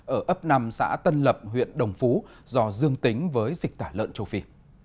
ở ấp năm xã tân lập huyện đồng phú do dương tính với dịch tả lợn châu phi